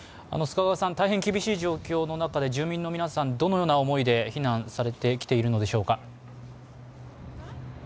大変厳しい状況の中で住民の皆さん、どのような思いで避難されてきているのでしょうか？